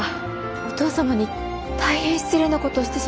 お父様に大変失礼なことをしてしまったかもしれないと。